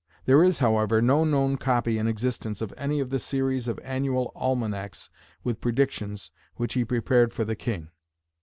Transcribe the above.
There is, however, no known copy in existence of any of the series of annual almanacs with predictions which he prepared for the King.